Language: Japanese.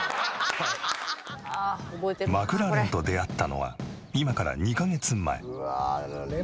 マクラーレンと出会ったのは今から２カ月前。